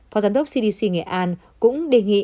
phó giám đốc cdc nghệ an cũng đề nghị